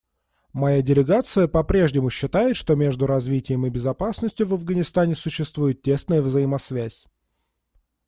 Моя делегация попрежнему считает, что между развитием и безопасностью в Афганистане существует тесная взаимосвязь.